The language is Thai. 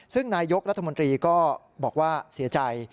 ซึ่งนายกรัฐมนตรีก็บอกว่าเสียใจ